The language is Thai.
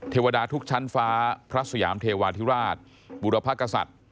เทวดาทุกชั้นฟ้าพระสยามเทวาธิราชบุรพกษัตริย์